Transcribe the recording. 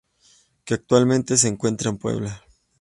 Que actualmente se encuentra en Puebla.